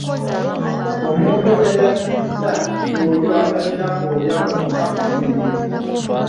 Omuntu eyattiza y’oyo atalina kooya konna ku mubiri.